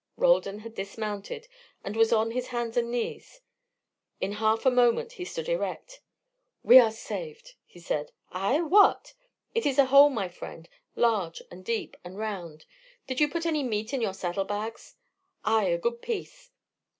Roldan had dismounted and was on his hands and knees. In a half moment he stood erect. "We are saved," he said. "Ay? What?" "It is a hole, my friend large and deep and round. Did you put any meat in your saddle bags?" "Ay, a good piece."